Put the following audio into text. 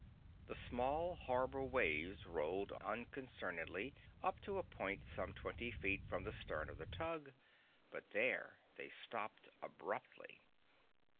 The small harbor waves rolled unconcernedly up to a point some twenty feet from the stern of the tug, but there they stopped abruptly.